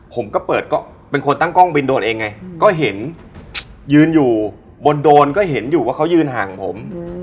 ผมก็เปิดก็เป็นคนตั้งกล้องบินโดรนเองไงก็เห็นยืนอยู่บนโดรนก็เห็นอยู่ว่าเขายืนห่างผม